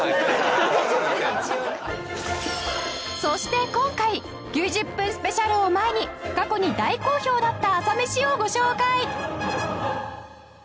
そして今回９０分スペシャルを前に過去に大好評だった朝メシをご紹介！